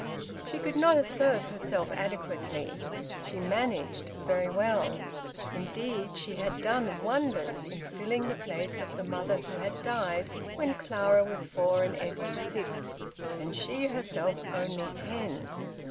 She could not assert herself adequately. She `managed' very well; indeed she had `done wonders' in filling the place of the mother who had died when Clara was four and Edwin six, and she herself only ten.